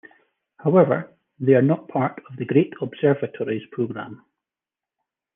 However, they are not a part of the Great Observatories program.